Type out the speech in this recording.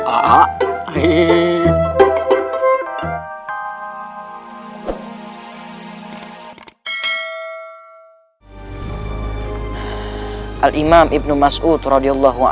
al imam ibn mas'ud